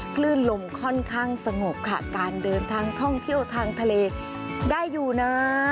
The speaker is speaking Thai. คลื่นลมค่อนข้างสงบค่ะการเดินทางท่องเที่ยวทางทะเลได้อยู่นะ